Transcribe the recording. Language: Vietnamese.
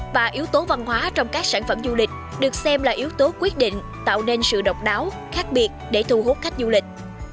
và yếu tố văn hóa trong các sản phẩm du lịch được xem là yếu tố quyết định tạo nên sự độc đáo khác biệt để thu hút khách du lịch